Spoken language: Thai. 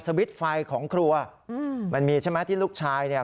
วิทไฟของครัวอืมมันมีใช่ไหมที่ลูกชายเนี่ย